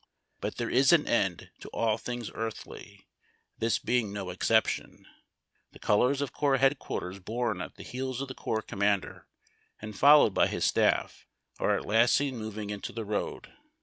But there is an end to all things earthly, this being no exception. The colors of corps headquarters borne at the heels of the corps commander, and followed by his staff, are at last seen moving into the road.